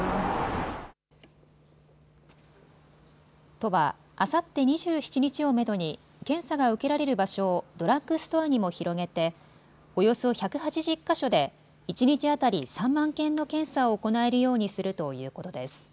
都は、あさって２７日をめどに検査が受けられる場所をドラッグストアにも広げておよそ１８０か所で一日当たり３万件の検査を行えるようにするということです。